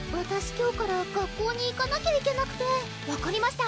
今日から学校に行かなきゃいけなくて分かりました